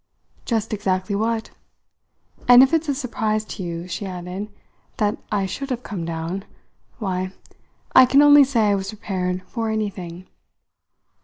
"Just exactly what. And if it's a surprise to you," she added, "that I should have come down why, I can only say I was prepared for anything."